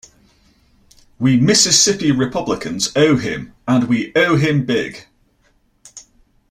We Mississippi Republicans owe him, and we owe him big.